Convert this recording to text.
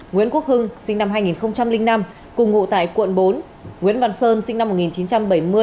nguyễn quốc hưng sinh năm hai nghìn năm cùng ngụ tại quận bốn nguyễn văn sơn sinh năm một nghìn chín trăm bảy mươi